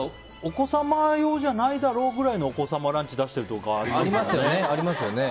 お子様用じゃないだろうぐらいのお子様ランチ出してるところありますよね。